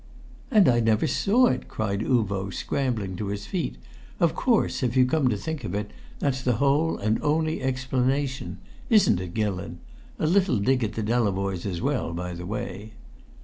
"And I never saw it!" cried Uvo, scrambling to his feet. "Of course, if you come to think of it, that's the whole and only explanation isn't it, Gillon? A little dig at the Delavoyes as well, by the way!"